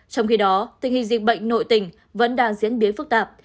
trong khi đó tình hình dịch bệnh nội tỉnh vẫn đang diễn biến phức tạp